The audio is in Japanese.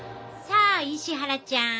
さあ石原ちゃん